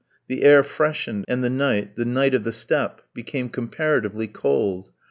The air freshened, and the night, the night of the steppe, became comparatively cold.